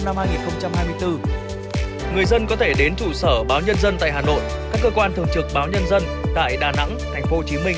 người dân có thể đến trụ sở báo nhân dân tại hà nội các cơ quan thường trực báo nhân dân tại đà nẵng tp hcm và cần thơ cùng các văn phòng đại diện của báo nhân dân tại tất cả các tỉnh thành phố theo địa chỉ trên màn hình